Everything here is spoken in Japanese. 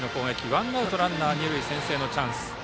ワンアウトランナー、二塁先制のチャンス。